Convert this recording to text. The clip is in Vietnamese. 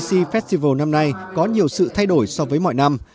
pc festival năm nay có nhiều sự thay đổi so với mọi năm